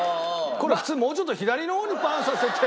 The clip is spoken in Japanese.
これ普通もうちょっと左の方にパンさせて。